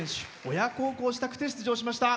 親孝行したくて出場しました。